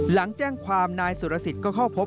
หลังแจ้งความนายสุรสิทธิ์ก็เข้าพบ